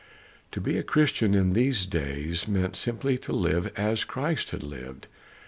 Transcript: '" To be a Christian in these days meant simply to live as Christ had lived.